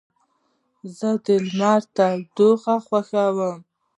زه د لمر تودوخه خوښوم.